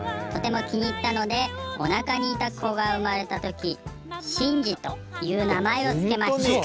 とても気に入ったのでおなかにいた子が生まれた時「しんじ」という名前をつけました。